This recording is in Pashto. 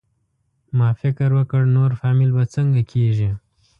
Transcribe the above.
ما فکر وکړ نور فامیل به څنګه کېږي؟